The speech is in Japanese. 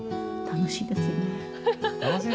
楽しいですよね。